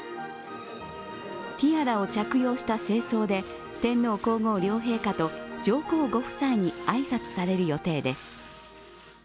ティアラを着用した正装で天皇・皇后両陛下と上皇ご夫妻に挨拶される予定です。